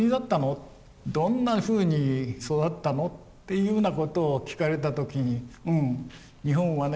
どんなふうに育ったの？っていうふうなことを聞かれた時にうん日本はね